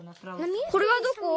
これはどこ？